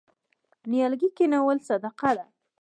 نیالګي کینول صدقه ده.